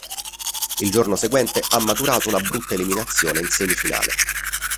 Il giorno seguente ha maturato una brutta eliminazione in semifinale.